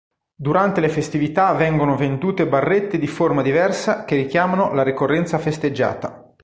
Durante le festività vengono vendute barrette di forma diversa che richiamano la ricorrenza festeggiata.